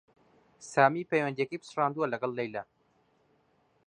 سامی پەیوەندییەکەی پچڕاندووە لەگەڵ لەیلا